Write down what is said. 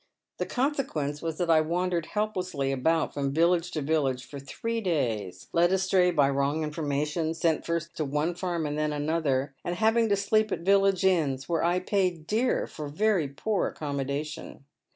The consequence was that I wandered helplessly about from village to village for three days, led astray by wrong information — sent first to one farm and then to another — and having to sleep at village inns, where I paid dear for very poor accommodation.